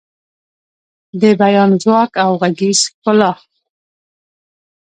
د بیان ځواک او غږیز ښکلا